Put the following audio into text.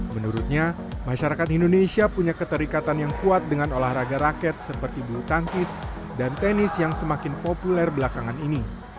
menurutnya masyarakat indonesia punya keterikatan yang kuat dengan olahraga rakyat seperti bulu tangkis dan tenis yang semakin populer belakangan ini